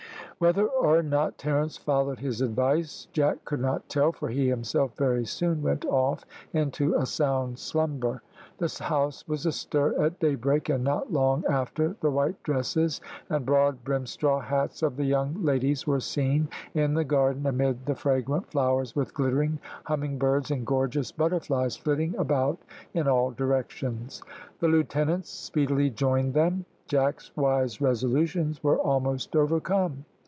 Whether or not Terence followed his advice Jack could not tell, for he himself very soon went off into a sound slumber. The house was astir at daybreak, and not long after the white dresses and broad brimmed straw hats of the young ladies were seen in the garden amid the fragrant flowers, with glittering humming birds and gorgeous butterflies, flitting about in all directions. The lieutenants speedily joined them. Jack's wise resolutions were almost overcome.